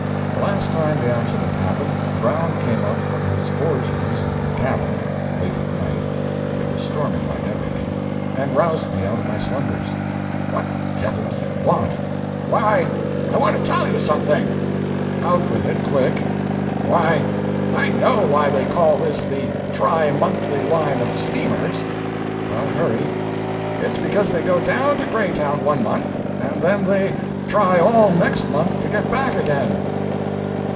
The last time the accident happened, Brown came up from his orgies in the cabin, late at night (it was storming like everything), and roused me out of my slumbers. "What the devil do you want?" "Why, I want to tell you something." "Out with it—quick!" "Why, I know why they call this the tri monthly line of steamers." "Well hurry." "It's because they go down to Greytown one month, and then they try all next month to get back again!"